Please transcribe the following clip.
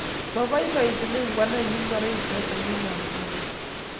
mabaibaitun kwanda nyi ngorikchoto kilaach inendet